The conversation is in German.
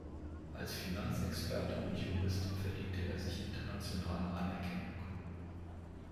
Als Finanzexperte und Jurist verdiente er sich international Anerkennung.